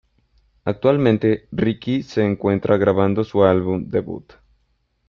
Actualmente, Ricky se encuentra grabando su álbum debut.